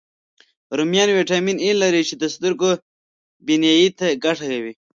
رومیان ویټامین A لري، چې د سترګو بینایي ته ګټه کوي